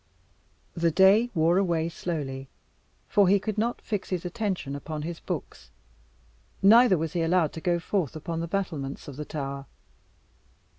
The day wore away slowly, for he could not fix his attention upon his books, neither was he allowed to go forth upon the battlements of the tower.